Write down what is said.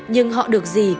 nhưng họ được gì